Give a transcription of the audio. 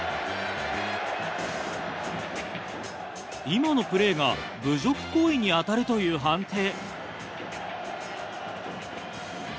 今のプレーが侮辱行為に当たるという判定。